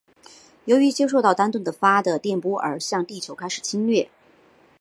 由于接受到丹顿的发的电波而向地球开始侵略。